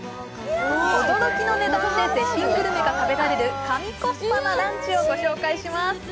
驚きの値段で絶品グルメが食べられる神コスパなランチをご紹介します。